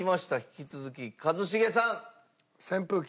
引き続き一茂さん。